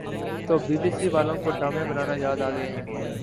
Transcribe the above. تو B B C والوں کو ڈرامے بنانا یاد آگئے ہیں